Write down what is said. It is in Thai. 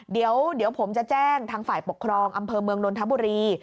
เดี๋ยวผมจะแจ้งทางฝ่ายปกครองอำเภอเมืองนนทบุรี